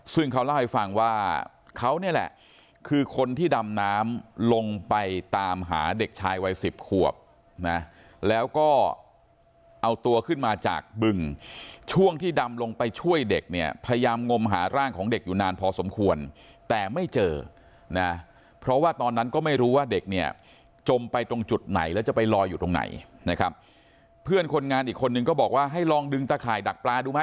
ซึ่งเขาเล่าให้ฟังว่าเขาเนี่ยแหละคือคนที่ดำน้ำลงไปตามหาเด็กชายวัยสิบขวบนะแล้วก็เอาตัวขึ้นมาจากบึงช่วงที่ดำลงไปช่วยเด็กเนี่ยพยายามงมหาร่างของเด็กอยู่นานพอสมควรแต่ไม่เจอนะเพราะว่าตอนนั้นก็ไม่รู้ว่าเด็กเนี่ยจมไปตรงจุดไหนแล้วจะไปลอยอยู่ตรงไหนนะครับเพื่อนคนงานอีกคนนึงก็บอกว่าให้ลองดึงตะข่ายดักปลาดูมั